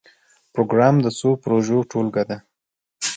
پروګرام د څو پروژو ټولګه ده